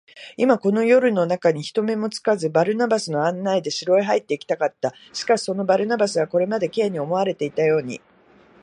今、この夜なかに、人目にもつかず、バルナバスの案内で城へ入っていきたかった。しかし、そのバルナバスは、これまで Ｋ に思われていたように、